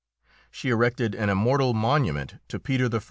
She erected an immortal monument to Peter I.